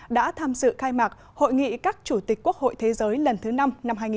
đã tham dự khai mạc hội nghị các chủ tịch quốc hội thế giới lần thứ năm năm hai nghìn hai mươi